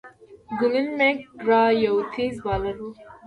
گلين میک ګرا یو تېز بالر وو.